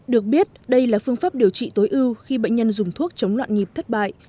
được biết đây là phương pháp điều trị tối ưu khi bệnh nhân dùng thuốc chống loạn nhịp thất bại